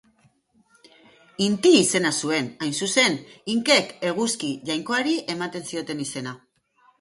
Inti izena zuen, hain zuzen, Inkek eguzki jaionkari ematen zioten izena.